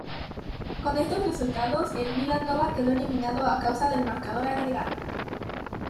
Con estos resultados, el Vila Nova quedó eliminado a causa del marcador agregado.